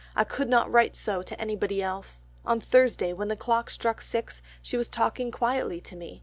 I could not write so to anybody else.... On Thursday, when the clock struck six, she was talking quietly to me.